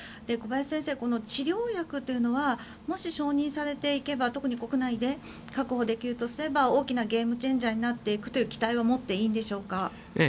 小林先生、治療薬というのはもし承認されていけば特に国内で確保できるとすれば大きなゲームチェンジャーになっていくという期待を持っていいんでしょうか。